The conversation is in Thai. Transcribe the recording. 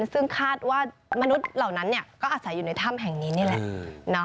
ซึ่งคาดว่ามนุษย์เหล่านั้นก็อาศัยอยู่ในถ้ำแห่งนี้นี่แหละ